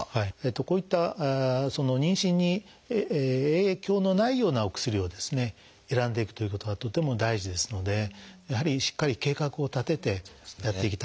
こういった妊娠に影響のないようなお薬を選んでいくということがとても大事ですのでやはりしっかり計画を立ててやっていただきたいと思います。